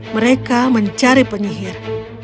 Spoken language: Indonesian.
mereka mencari penyihir